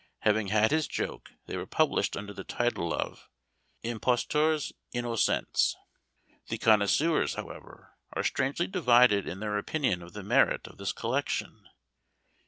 Having had his joke, they were published under the title of Imposteurs Innocentes. The connoisseurs, however, are strangely divided in their opinion of the merit of this collection.